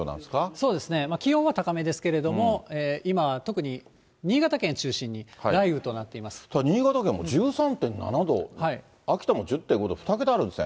そうですね、気温は高めですけれども、今は特に新潟県を中心ただ、新潟県も１３．７度。秋田も１０．５度、２桁あるんですね。